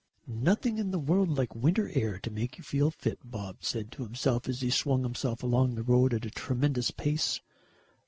"Nothing in the world like winter air to make you feel fit," Bob said to himself as he swung himself along the road at a tremendous pace.